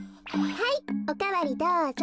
はいおかわりどうぞ。